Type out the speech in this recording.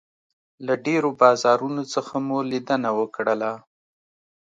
له ډېرو بازارونو څخه مو لیدنه وکړله.